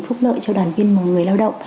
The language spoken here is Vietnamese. phúc lợi cho đoàn viên và người lao động